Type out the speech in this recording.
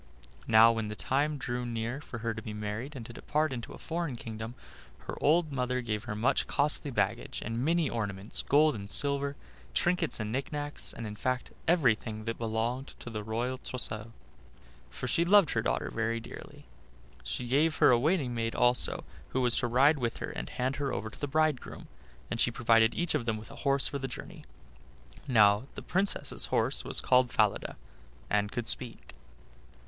Now, when the time drew near for her to be married and to depart into a foreign kingdom, her old mother gave her much costly baggage, and many ornaments, gold and silver, trinkets and knicknacks, and, in fact, everything that belonged to a royal trousseau, for she loved her daughter very dearly. She gave her a waiting maid also, who was to ride with her and hand her over to the bridegroom, and she provided each of them with a horse for the journey. Now the Princess's horse was called Falada, and could speak.